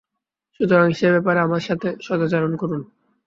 সুতরাং সে ব্যাপারে আমার সাথে সদাচরণ করুন।